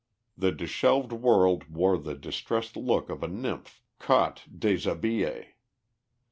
The dishevelled world wore the distressed look of a nymph caught _déshabillée.